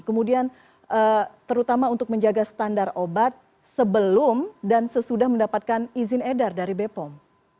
kemudian terutama untuk menjaga standar obat sebelum dan sesudah mendapatkan izin edar dari bepom